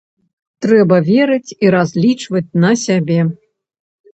Трэба верыць і разлічваць на сябе.